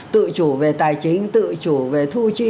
tự chủ về tài chính tự chủ về thu chi